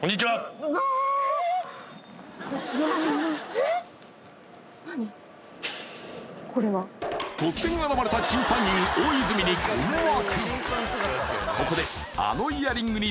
ええっ突然現れた審判員大泉に困惑